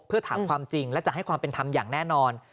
เพื่อถามความจริงและจะให้ความเป็นธรรมอย่างแน่นอน